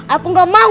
aku nggak mau